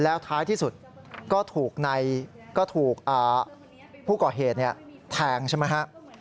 แล้วท้ายที่สุดก็ถูกในก็ถูกผู้ก่อเหตุแทงใช่ไหมฮะ